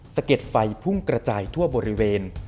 เก็ดไฟพุ่งกระจายทั่วบริเวณ